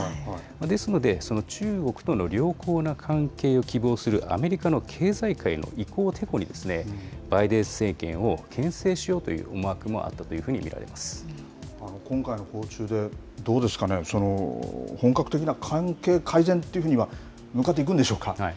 ですので、その中国との良好な関係を希望するアメリカの経済界の意向をてこに、バイデン政権をけん制しようという思惑もあったと今回の訪中でどうですかね、本格的な関係改善というふうには向かっていくんでしょうか。